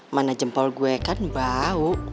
mana jempol gue kan bau